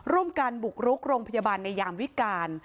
ร่วมกันบุกรุกโรงพยาบาลในยามวิการ